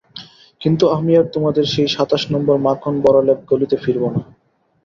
কিন্তু আমি আর তোমাদের সেই সাতাশ নম্বর মাখন বড়ালের গলিতে ফিরব না।